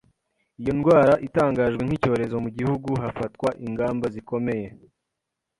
Iyo indwara itangajwe nk'icyorezo mu gihugu hafatwa ingamba zikomeye